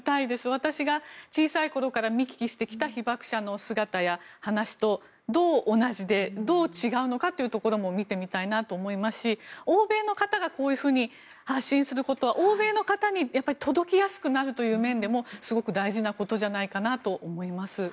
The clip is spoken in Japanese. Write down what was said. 私が小さい頃から見聞きしてきた被爆者の姿や話とどう同じでどう違うのかというところも見てみたいなと思いますし欧米の方がこういうふうに発信することは欧米の方に届きやすくなるという面でもすごく大事なことじゃないかなと思います。